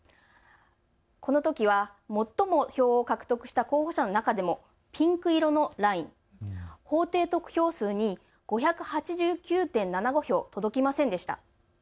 このときは最も票を獲得した候補者の中でもピンク色のライン、法定得票数に５８９．７５票届きませんでした。